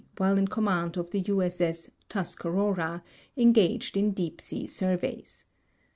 while in command of the U. S. S. Tuscarora, engaged in deep sea surveys.